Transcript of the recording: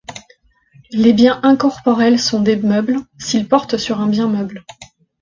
Les biens incorporels sont des meubles, s'ils portent sur un bien meuble.